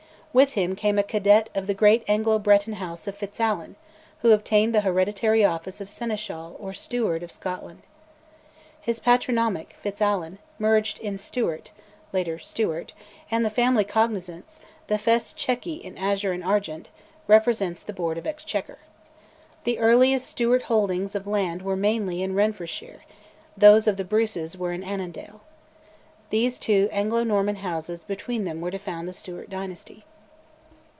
With him came a cadet of the great Anglo Breton House of FitzAlan, who obtained the hereditary office of Seneschal or Steward of Scotland. His patronymic, FitzAlan, merged in Stewart (later Stuart), and the family cognizance, the fesse chequy in azure and argent, represents the Board of Exchequer. The earliest Stewart holdings of land were mainly in Renfrewshire; those of the Bruces were in Annandale. These two Anglo Norman houses between them were to found the Stewart dynasty.